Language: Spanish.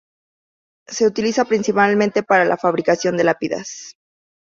Se utiliza principalmente para la fabricación de lápidas.